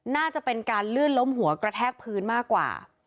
น่าจะเป็นการลื่นล้มหัวกระแทกพื้นมากกว่า